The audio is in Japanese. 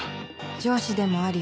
上司でもあり